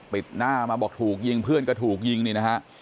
ปิดหน้ามาบอกถูกยิงเพื่อนก็ถูกยิงนี่นะฮะ